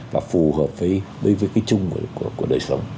và phù hợp với cái chung của đời sống